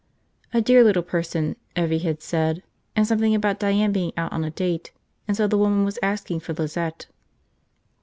A dear little person, Evvie had said, and something about Diane being out on a date and so the woman was asking for Lizette.